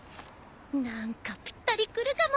なんかぴったりくるかも。